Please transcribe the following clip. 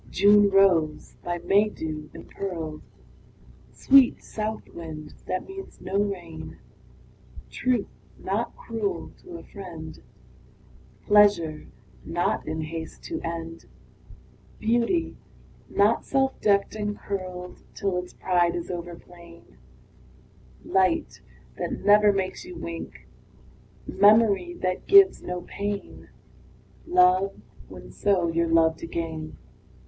June rose, by May dew impearled; Sweet south wind, that means no rain; Truth, not cruel to a friend; Pleasure, not in haste to end; Beauty, not self decked and curled Till its pride is over plain; Light, that never makes you wink; Memory, that gives no pain; Love, when, so, you're loved again.